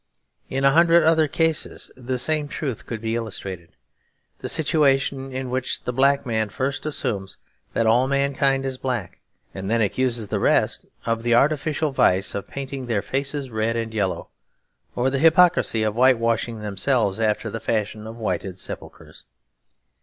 In a hundred other cases the same truth could be illustrated; the situation in which the black man first assumes that all mankind is black, and then accuses the rest of the artificial vice of painting their faces red and yellow, or the hypocrisy of white washing themselves after the fashion of whited sepulchres.